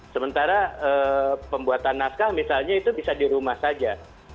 sementara pembuatan naskah misalnya itu bisa di rumah saja